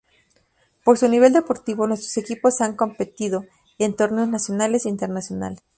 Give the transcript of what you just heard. Por su nivel deportivo, nuestros equipos han competido en torneos nacionales e internacionales.